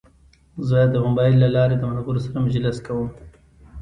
زه د موبایل له لارې د ملګرو سره مجلس کوم.